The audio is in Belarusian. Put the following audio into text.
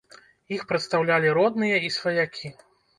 Іх прадстаўлялі родныя і сваякі.